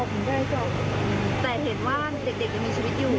มีมีชีวิตอยู่